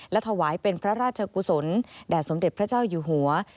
และถวายเป็นพระราชกุศลแด่สมเด็จพระเจ้าอยู่หัว